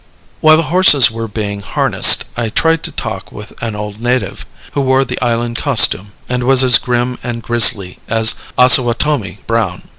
While the horses were being harnessed, I tried to talk with an old native, who wore the island costume, and was as grim and grizzly as Ossawatomie Brown.